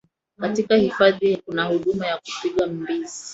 Katika hifadhi kuna huduma ya kupiga mbizi